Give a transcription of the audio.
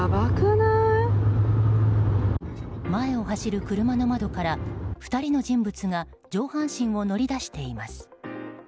前を走る車の窓から２人の人物が上半身を乗り出しています。